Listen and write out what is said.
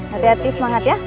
hati hati semangat ya